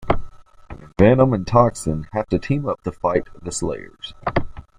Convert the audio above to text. Venom and Toxin have to team up to fight the "slayers".